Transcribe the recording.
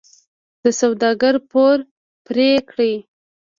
د سوداګر پور پرې کړي.